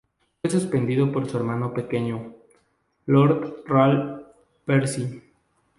Fue sucedido por su hermano pequeño, Lord Ralph Percy.